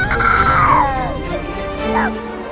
fahri harus tau nih